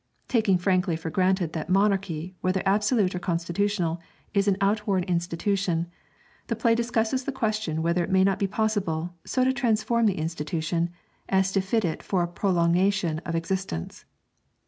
Taking frankly for granted that monarchy, whether absolute or constitutional, is an outworn institution, the play discusses the question whether it may not be possible so to transform the institution as to fit it for a prolongation of existence.